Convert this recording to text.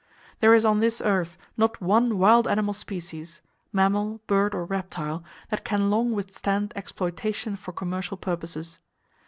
There is on this earth not one wild animal species—mammal, bird or reptile—that can long withstand exploitation for commercial purposes.